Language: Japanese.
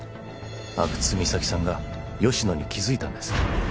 阿久津実咲さんが吉乃に気づいたんです